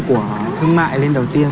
của thương mại lên đầu tiên